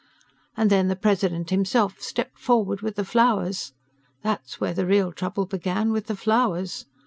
"And then the President himself stepped forward with the flowers. That's where the real trouble began, with the flowers.